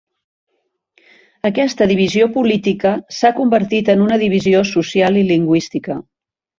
Aquesta divisió política s'ha convertit en una divisió social i lingüística.